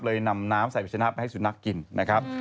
นำน้ำใส่ไปชนะไปให้สุนัขกินนะครับ